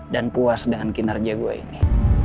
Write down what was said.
dan puas dengan kinerja gue ini